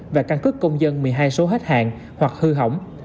và căn cước công dân một mươi hai số hết hạn hoặc hư hỏng